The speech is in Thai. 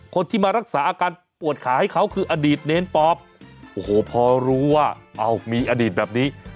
คนที่มารักษาอาการปวดขาให้เขาคืออดีตเนรปอบโอ้โหพอรู้ว่าเอามีอดีตแบบนี้